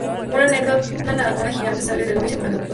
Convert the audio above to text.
Una anaconda gigante sale del agua y se come al Dr.